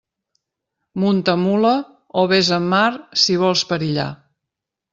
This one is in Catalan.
Munta mula o vés en mar si vols perillar.